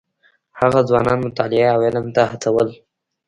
هغه ځوانان مطالعې او علم ته هڅول.